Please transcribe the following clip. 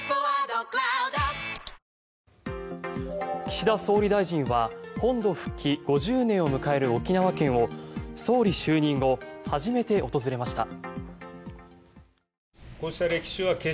岸田総理大臣は本土復帰５０年を迎える沖縄県を総理就任後初めて訪れました。